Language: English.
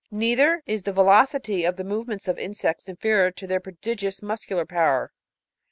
Neither is the velocity of the movements of insects inferior to their prodigious muscular power.